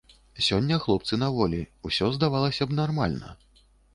Сёння хлопцы на волі, усё, здавалася б, нармальна.